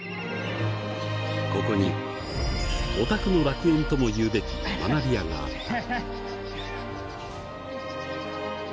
ここにオタクの楽園とも言うべき学びやがあった。